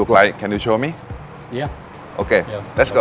โอเคไปกันดีกว่า